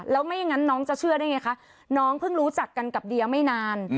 แล้วไม่อย่างนั้นน้องจะเชื่อได้ไงคะน้องเพิ่งรู้จักกันกับเดียไม่นาน